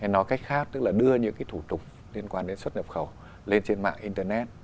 nói cách khác tức là đưa những thủ tục liên quan đến xuất nhập khẩu lên trên mạng internet